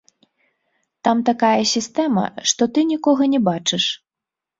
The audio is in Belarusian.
Там такая сістэма, што ты нікога не бачыш.